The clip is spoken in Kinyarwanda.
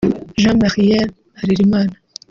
Gamariel Harerima